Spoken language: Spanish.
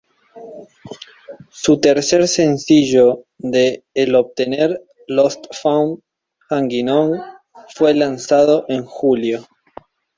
Su tercer sencillo de"El Obtener"Lost Found, "Hanging On", fue lanzado en julio.